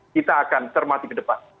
kita akan cermati ke depan